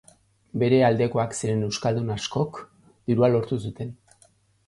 Bere aldekoak ziren euskaldun askok dirua lortu zuten.